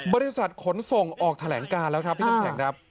บริษัทขนส่งออกแถลงการแล้วครับพี่คุณผัก